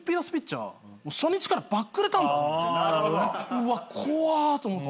うわっ怖っと思って。